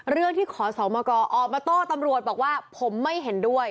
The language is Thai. เรื่องที่ขอสมกออกมาโต้ตำรวจบอกว่าผมไม่เห็นด้วย